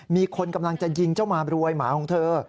มีคนกำลังจะยิงเจ้ามารวยหมาของเธอ